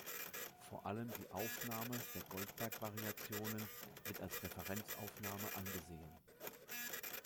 Vor allem die Aufnahme der Goldberg-Variationen wird als Referenz-Aufnahme angesehen.